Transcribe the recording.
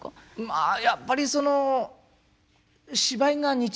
まあやっぱりそのま